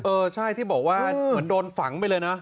เออใช่ที่บอกว่าเหมือนโดนฝังไปเลยนะ